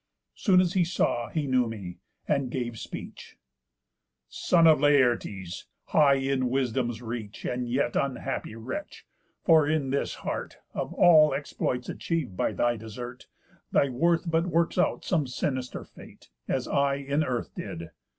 Soon as he saw, he knew me, and gave speech: 'Son of Laertes, high in wisdom's reach, And yet unhappy wretch, for in this heart, Of all exploits achiev'd by thy desert, Thy worth but works out some sinister fate, As I in earth did.